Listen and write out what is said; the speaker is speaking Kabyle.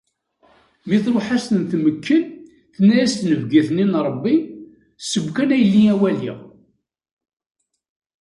Mi truḥ ad as-ten-tmekken, tenna-as tnebgiwt-nni n Rebbi: "Sew kan a yelli a waliɣ."